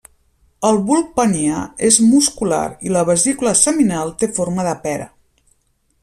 El bulb penià és muscular i la vesícula seminal té forma de pera.